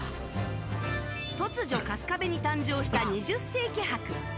突如、春日部に誕生した「２０世紀博」。